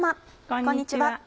こんにちは。